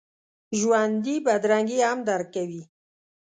ژوندي بدرنګي هم درک کوي